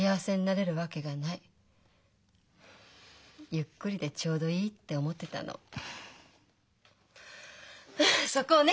ゆっくりでちょうどいいって思ってたの。はあそこをね